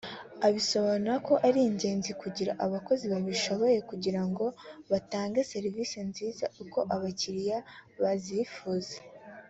Anasobanura ko ari ingenzi kugira abakozi bashoboye kugira ngo batange serivisi nziza uko abakiriya bazifuza